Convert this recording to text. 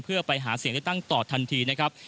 เพื่อไปหาเสียงเลือกตั้งต่อทันทีนะครับ